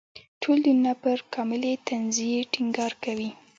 ټول دینونه پر کاملې تنزیې ټینګار کوي.